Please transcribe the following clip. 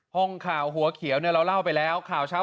ห้องข่าวหัวเขียวเนี่ยเราเล่าไปแล้วข่าวเช้า